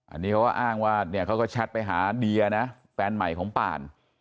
อันนี้เขาก็อ้างว่าเนี่ยเขาก็แชทไปหาเดียนะแฟนใหม่ของป่าน